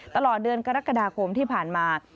ตลอดเดือนกรกฎาคมที่ผ่านมา